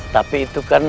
tapi itu kan